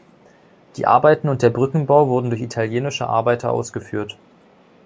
Die Arbeiten und der Brückenbau wurden durch italienische Arbeiter ausgeführt.